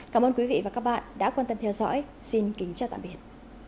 cảm ơn quý vị và các bạn đã quan tâm theo dõi xin kính chào tạm biệt